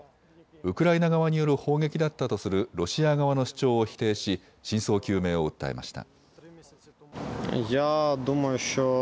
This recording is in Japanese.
ウクライナ側による砲撃だったとするロシア側の主張を否定し真相究明を訴えました。